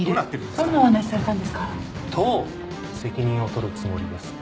どう責任を取るつもりですか？